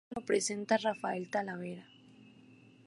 El prólogo lo presenta Rafael Talavera.